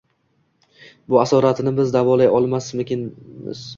Bu asoratini biz davolay olmaskanmizmi?